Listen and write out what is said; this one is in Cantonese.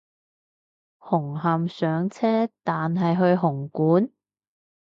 紅磡上車但係去紅館？